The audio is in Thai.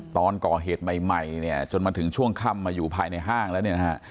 ตอนก่อเหตุใหม่เนี่ยจนมาถึงช่วงค่ำมาอยู่ภายในห้างแล้วเนี่ยนะฮะ